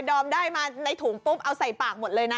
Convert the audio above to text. อมได้มาในถุงปุ๊บเอาใส่ปากหมดเลยนะ